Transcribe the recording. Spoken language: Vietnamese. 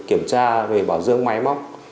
kiểm tra về bảo dương máy móc